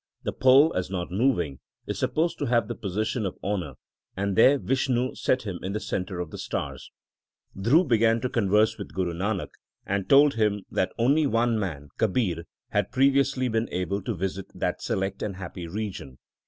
The pole, as not moving, is supposed to have the position of honour, and there Vishnu set him in the centre of the stars. Dhru began to converse with Guru Nanak, and told him that only one man, Kabir, had previously been able to visit that select and happy region.